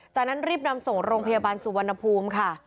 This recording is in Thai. จากนั้นรีบนำส่งโรงพยาบาลสุวรรณภูมิค่ะ